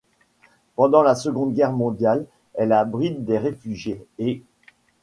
Pendant la Seconde Guerre mondiale, elle abrite des réfugiés et.